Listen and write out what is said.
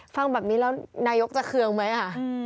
ฟังแบบนี้แล้วนายกจะเคืองไหม